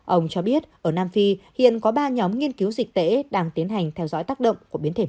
ông cho biết ở nam phi hiện có ba nhóm nghiên cứu dịch tễ đang tiến hành theo dõi tác động của biến thể